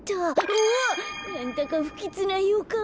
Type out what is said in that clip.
うわっなんだかふきつなよかん。